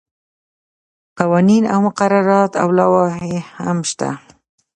قوانین او مقررات او لوایح هم شته.